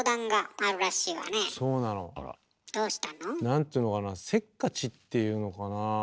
何ていうのかなせっかちっていうのかなあ。